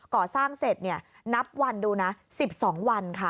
ก่อสร้างเสร็จนับวันดูนะ๑๒วันค่ะ